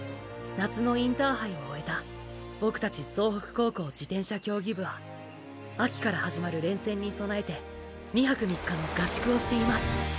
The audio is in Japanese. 夏のインターハイを終えたボクたち総北高校自転車競技部は秋から始まる連戦に備えて２泊３日の合宿をしています